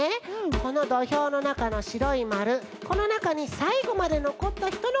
このどひょうのなかのしろいまるこのなかにさいごまでのこったひとのかちになります。